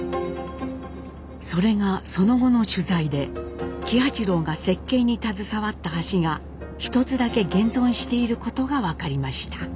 それがその後の取材で喜八郎が設計に携わった橋が一つだけ現存していることが分かりました。